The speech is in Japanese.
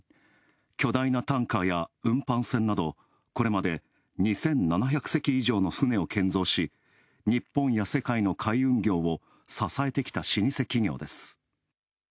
巨大なタンカーや運搬船など、これまで２７００隻以上の船を建造し日本や世界の海運業を支えてきた老舗企業です。